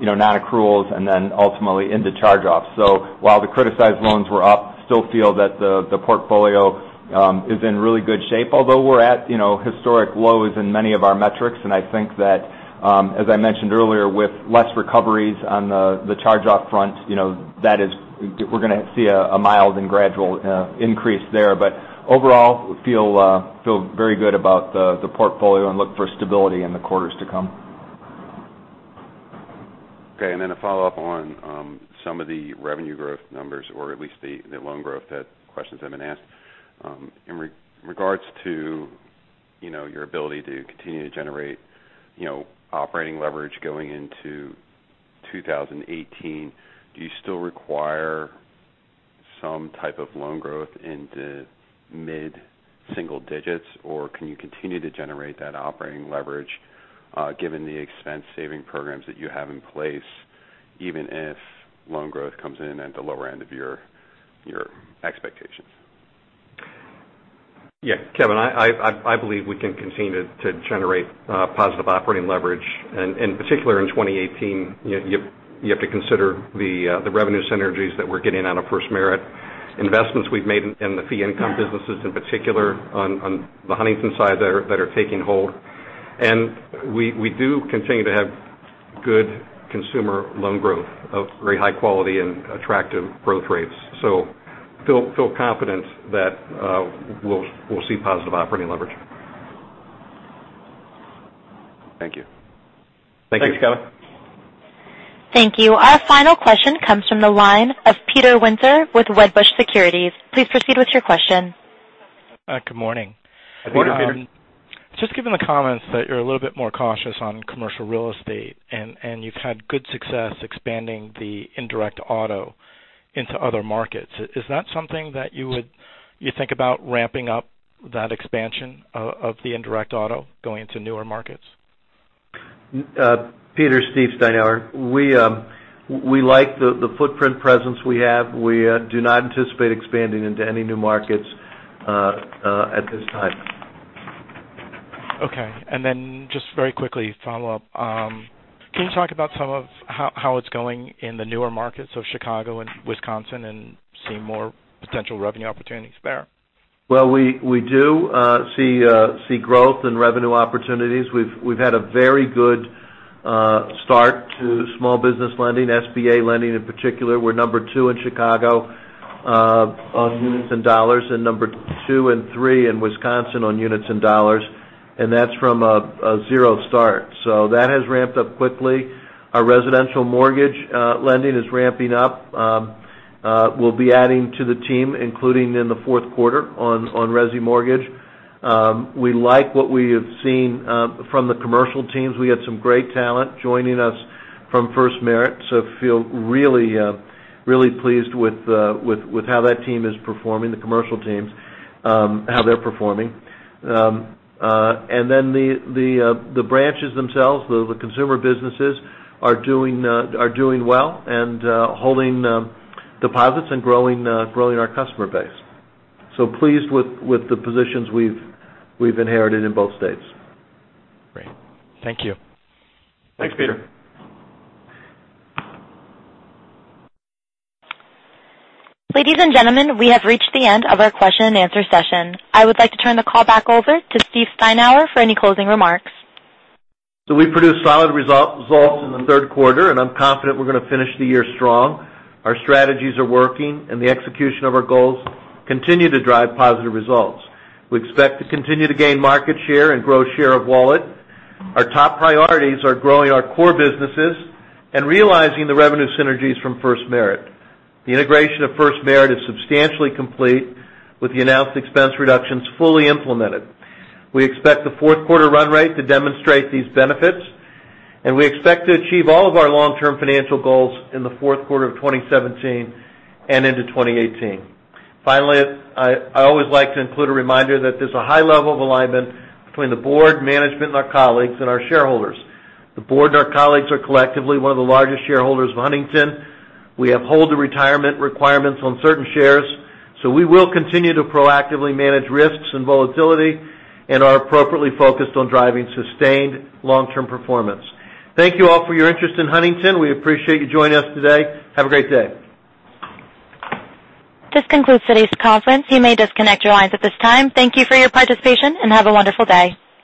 non-accruals and then ultimately into charge-offs. While the criticized loans were up, still feel that the portfolio is in really good shape, although we're at historic lows in many of our metrics, I think that, as I mentioned earlier, with less recoveries on the charge-off front, that we're going to see a mild and gradual increase there. Overall, feel very good about the portfolio and look for stability in the quarters to come. Okay, a follow-up on some of the revenue growth numbers, or at least the loan growth questions that have been asked. In regards to your ability to continue to generate operating leverage going into 2018, do you still require some type of loan growth into mid-single digits, or can you continue to generate that operating leverage given the expense saving programs that you have in place, even if loan growth comes in at the lower end of your expectations? Yeah. Kevin, I believe we can continue to generate positive operating leverage. In particular, in 2018, you have to consider the revenue synergies that we're getting out of FirstMerit, investments we've made in the fee income businesses, in particular on the Huntington side that are taking hold. We do continue to have good consumer loan growth of very high quality and attractive growth rates. Feel confident that we'll see positive operating leverage. Thank you. Thank you. Thanks, Kevin. Thank you. Our final question comes from the line of Peter Winter with Wedbush Securities. Please proceed with your question. Good morning. Good morning, Peter. Just given the comments that you're a little bit more cautious on commercial real estate and you've had good success expanding the indirect auto into other markets, is that something that you think about ramping up that expansion of the indirect auto going into newer markets? Peter, Steve Steinour. We like the footprint presence we have. We do not anticipate expanding into any new markets at this time. Okay. Just very quickly follow up. Can you talk about some of how it's going in the newer markets of Chicago and Wisconsin and seeing more potential revenue opportunities there? Well, we do see growth and revenue opportunities. We've had a very good start to small business lending, SBA lending in particular. We're number 2 in Chicago on units and $ and number 2 and 3 in Wisconsin on units and $, and that's from a zero start. That has ramped up quickly. Our residential mortgage lending is ramping up. We'll be adding to the team, including in the fourth quarter on resi mortgage. We like what we have seen from the commercial teams. We had some great talent joining us from FirstMerit, feel really pleased with how that team is performing, the commercial teams, how they're performing. The branches themselves, the consumer businesses are doing well and holding deposits and growing our customer base. Pleased with the positions we've inherited in both states. Great. Thank you. Thanks, Peter. Ladies and gentlemen, we have reached the end of our question and answer session. I would like to turn the call back over to Steve Steinour for any closing remarks. We produced solid results in the third quarter. I'm confident we're going to finish the year strong. Our strategies are working. The execution of our goals continue to drive positive results. We expect to continue to gain market share and grow share of wallet. Our top priorities are growing our core businesses and realizing the revenue synergies from FirstMerit. The integration of FirstMerit is substantially complete with the announced expense reductions fully implemented. We expect the fourth quarter run rate to demonstrate these benefits. We expect to achieve all of our long-term financial goals in the fourth quarter of 2017 and into 2018. Finally, I always like to include a reminder that there's a high level of alignment between the board, management, and our colleagues, and our shareholders. The board and our colleagues are collectively one of the largest shareholders of Huntington. We uphold the retirement requirements on certain shares. We will continue to proactively manage risks and volatility and are appropriately focused on driving sustained long-term performance. Thank you all for your interest in Huntington. We appreciate you joining us today. Have a great day. This concludes today's conference. You may disconnect your lines at this time. Thank you for your participation. Have a wonderful day.